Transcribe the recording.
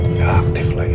gua harus kasih pelan diye